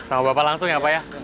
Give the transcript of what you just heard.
sama bapak langsung ya pak ya